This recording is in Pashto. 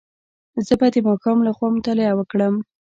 زه به د ماښام له خوا مطالعه وکړم.